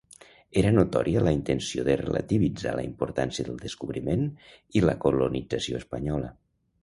Era notòria la intenció de relativitzar la importància del descobriment i la colonització espanyola.